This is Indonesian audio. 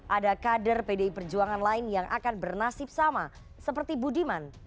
ada kader pdi perjuangan lain yang akan bernasib sama seperti budiman